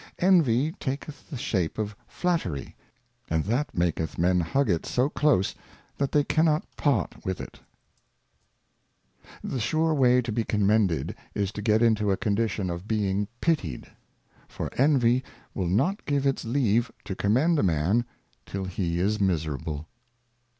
Envy taketh the Shape of Flattery, and that maketh Men hug it so close, that they cannot part with it. The 240 Moral Thoughts and Reflections. The sure way to be commended is to get into a Condition of being pitied. For Envy will not give its leave to commend a Man, till he is miserable.